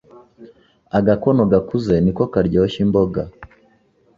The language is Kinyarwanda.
Agakono gakuze niko karyoshya imboga